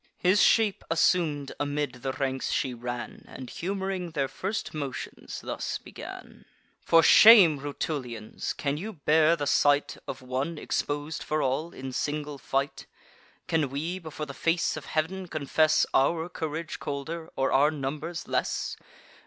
His shape assum'd, amid the ranks she ran, And humoring their first motions, thus began: "For shame, Rutulians, can you bear the sight Of one expos'd for all, in single fight? Can we, before the face of heav'n, confess Our courage colder, or our numbers less?